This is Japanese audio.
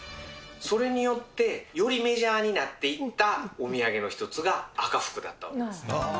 それによって、よりメジャーになっていったお土産の一つが赤福だったわけです。